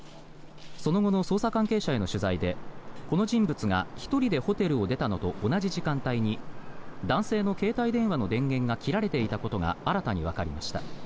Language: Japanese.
その後の捜査関係者への取材でこの人物が１人でホテルを出たのと同じ時間帯に男性の携帯電話の電源が切られていたことが新たにわかりました。